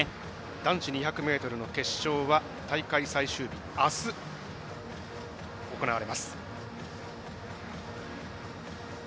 男子２００ｍの決勝は大会最終日、あす、行われます。